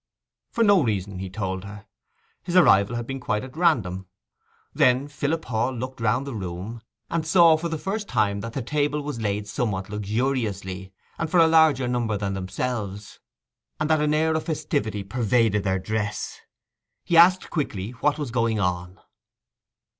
For no reason, he told her. His arrival had been quite at random. Then Philip Hall looked round the room, and saw for the first time that the table was laid somewhat luxuriously, and for a larger number than themselves; and that an air of festivity pervaded their dress. He asked quickly what was going on.